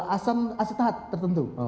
asam acetat tertentu